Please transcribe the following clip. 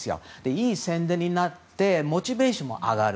いい宣伝になってモチベーションも上がる